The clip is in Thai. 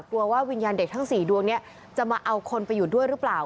ว่าวิญญาณเด็กทั้ง๔ดวงนี้จะมาเอาคนไปอยู่ด้วยหรือเปล่า